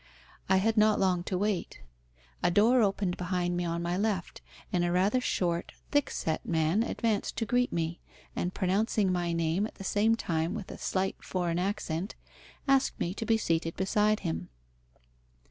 I had not long to wait. A door opened behind me on my left, and a rather short, thick set man advanced to greet me, and pronouncing my name at the same time with a slight foreign accent, asked me to be seated beside him.